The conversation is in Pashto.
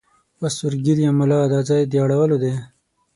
وه سور ږیریه مولا دا ځای د اړولو دی